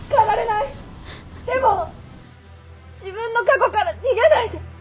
でも自分の過去から逃げないで。